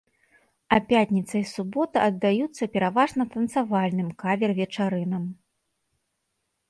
А пятніца і субота аддаюцца пераважна танцавальным кавер-вечарынам.